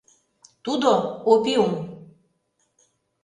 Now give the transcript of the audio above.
Тудо — опиум...